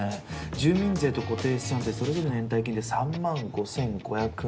住民税と固定資産税それぞれの延滞金で３万５５００円。